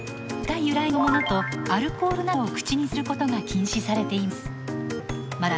豚由来のものとアルコールなどを口にすることが禁止されています。